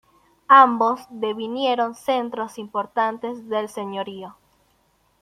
Ambos devinieron centros importantes del señorío.